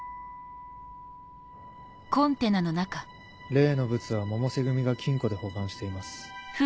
例のブツは百瀬組が金庫で保管しています。